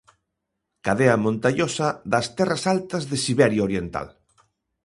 Cadea montañosa das terras altas de Siberia oriental.